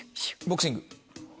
ボクシング。